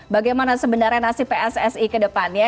bagaimana sebenarnya nasib pssi ke depannya